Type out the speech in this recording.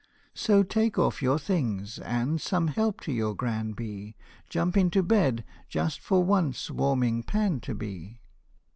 So take off your things, and, some help to your gran to be, Jump into bed, just for once warming pan to be."